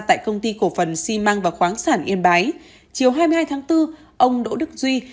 tại công ty cổ phần xi măng và khoáng sản yên bái chiều hai mươi hai tháng bốn ông đỗ đức duy